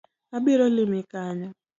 Abiro limi kanyo